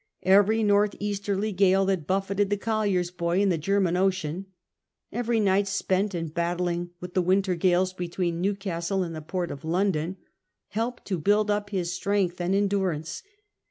Every noith easterly gale that buffeted the collier's boy in the Grcnnan Ocean, every night spent in battling with the winter gales between Newcastle and the port of Loudon, helped to build up this strength and endurance.